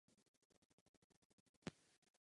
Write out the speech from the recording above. Tímto končím dobu vyhrazenou pro otázky.